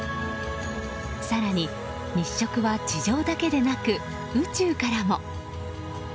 更に、日食は地上だけでなく宇宙からも。